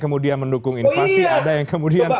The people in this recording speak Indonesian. kemudian mendukung invasi ada yang kemudian